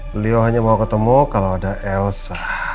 beliau hanya mau ketemu kalau ada elsa